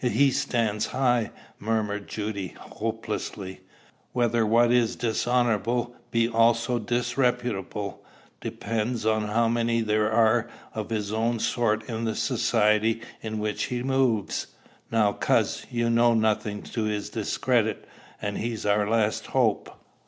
"He stands high," murmured Judy hopelessly. "Whether what is dishonorable be also disreputable depends on how many there are of his own sort in the society in which he moves." "Now, coz, you know nothing to his discredit, and he's our last hope."